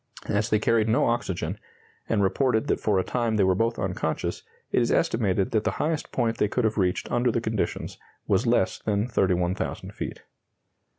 As they carried no oxygen, and reported that for a time they were both unconscious, it is estimated that the highest point they could have reached under the conditions was less than 31,000 feet.